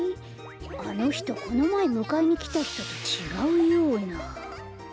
あのひとこのまえむかえにきたひととちがうような。